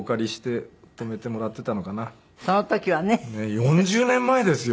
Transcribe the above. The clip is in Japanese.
４０年前ですよ。